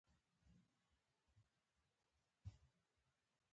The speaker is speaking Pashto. دوکاندار تل د خیر غوښتونکی وي.